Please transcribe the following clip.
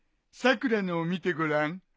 さくらのを見てごらん。